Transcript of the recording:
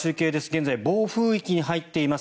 現在、暴風域に入っています